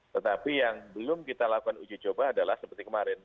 tetapi yang belum kita lakukan uji coba adalah seperti kemarin